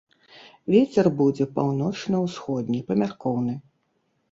Вецер будзе паўночна-ўсходні, памяркоўны.